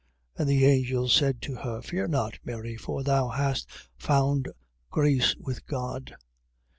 1:30. And the angel said to her: Fear not, Mary, for thou hast found grace with God.